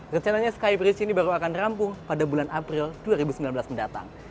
rencananya skybridge ini baru akan rampung pada bulan april dua ribu sembilan belas mendatang